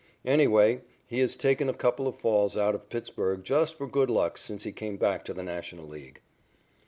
Anyway, he has taken a couple of falls out of Pittsburg just for good luck since he came back to the National League.